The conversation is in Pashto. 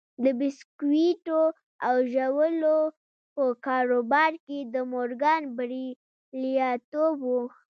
د بيسکويټو او ژاولو په کاروبار کې د مورګان برياليتوب و.